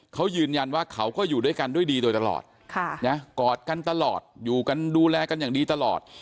เขายืนยันว่าเขาก็อยู่ด้วยกันด้วยดีโดยตลอดกอดกันตลอดอยู่กันดูแลกันอย่างดีตลอด